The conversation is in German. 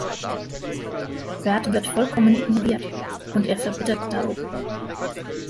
Bert wird vollkommen ignoriert und er verbittert darob.